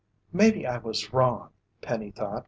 "Maybe I was wrong," Penny thought.